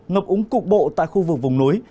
ngập úng cục bộ tại khu vực vùng núi